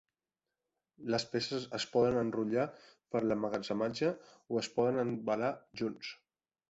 Les peces es poden enrotllar per l'emmagatzematge o es poden embalar junts.